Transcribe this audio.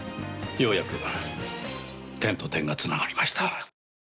ようやく点と点がつながりました。